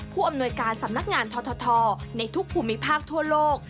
ผู้อำนวยการสำนักงานททในทุกภูมิภาคทั่วโลก